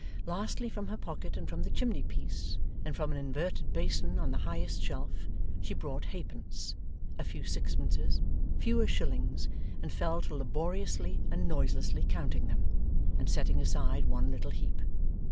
Lastly, from her pocket, and from the chimney piece, and from an inverted basin on the highest shelf she brought halfpence, a few sixpences, fewer shillings, and fell to laboriously and noiselessly counting them, and setting aside one little heap.